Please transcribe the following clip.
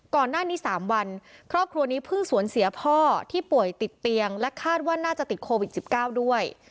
ก่อนหน้านี้๓วันครอบครัวนี้เพิ่งสวนเสียพ่อที่ป่วยติดเตียงและคาดว่าน่าจะติดโควิด๑๙ด้วย